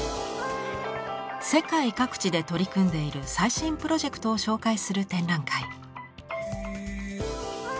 世界各地で取り組んでいる最新プロジェクトを紹介する展覧会。